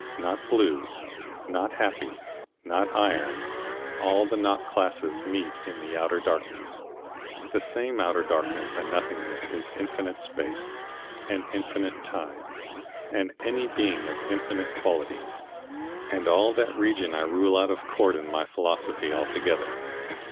Not blue, not happy, not iron, all the not classes meet in that Outer Darkness. That same Outer Darkness and nothingness is infinite space, and infinite time, and any being of infinite qualities, and all that region I rule out of court in my philosophy altogether.